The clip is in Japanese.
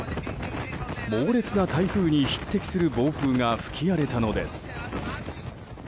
猛烈な台風に匹敵する暴風が吹き荒れたのです。